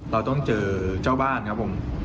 เราต้องเจอเจ้าบ้านครับผม